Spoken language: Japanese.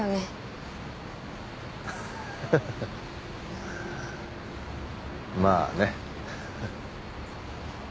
ハハハまあね。